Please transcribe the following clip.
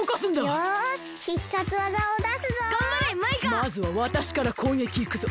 まずはわたしからこうげきいくぞ。